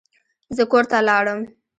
زه کور ته لاړم.